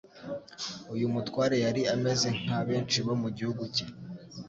Uyu mutware yari ameze nka benshi bo mu gihugu cye